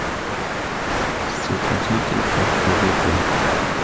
Se transmite por Telefe.